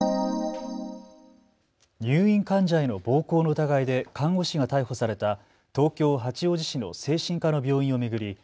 入院患者への暴行の疑いで看護師が逮捕された東京八王子市の精神科の病院を巡り